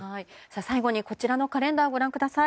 最後にこちらのカレンダーをご覧ください。